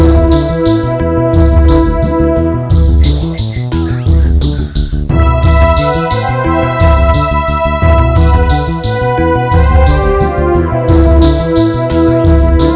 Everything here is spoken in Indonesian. oretnya pertama kali saya bertemu dengan